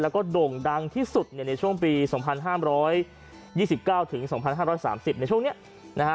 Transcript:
แล้วก็โด่งดังที่สุดในช่วงปี๒๕๒๙๒๕๓๐ในช่วงนี้นะฮะ